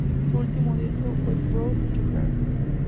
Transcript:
Su último disco, "What Brought You Here?